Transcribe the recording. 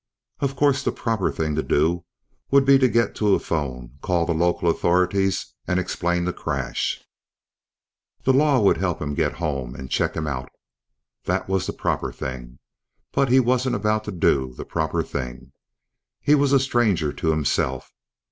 Of course the proper thing to do would be to get to a phone, call the local authorities and explain the crash. The law would help him get home and check him out. That was the proper thing but he wasn't about to do the proper thing. He was a stranger to himself.